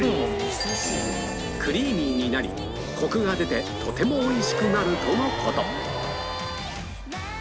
クリーミーになりコクが出てとてもおいしくなるとの事